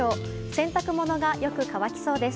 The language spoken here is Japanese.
洗濯物がよく乾きそうです。